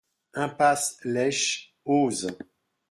Impasse Léche, Eauze